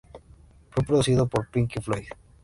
Fue producido por Pink Floyd.